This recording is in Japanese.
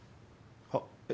はっえっ？